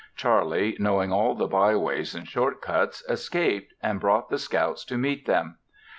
Charlie, knowing all the byways and short cuts escaped and brought the scouts to meet them.